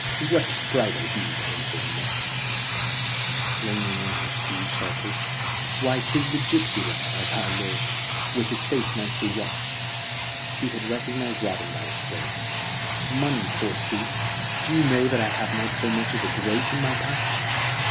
"What sprite are you?" answered Much, reining in his steed sharply. "Why! 'tis the gipsy lad, as I live; with his face nicely washed...!" He had recognized Robin by his clothes. "Money, forsooth! Do you know that I have not so much as a groat in my pouch?"